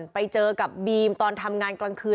ไปเจอกับบีมตอนทำงานกลางคืน